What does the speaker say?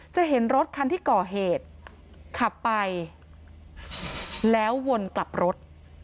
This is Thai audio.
เห็นรถคันที่ก่อเหตุขับไปแล้ววนกลับรถ